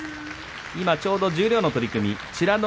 今ちょうど十両の取組美ノ